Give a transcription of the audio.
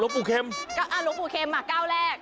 หลวงปู่เข้มหลวงปู่เข้มงานกล้าวแรก